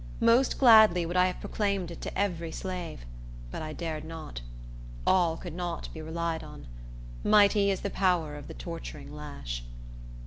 Most gladly would I have proclaimed it to every slave; but I dared not. All could not be relied on. Mighty is the power of the torturing lash.